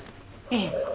ええ。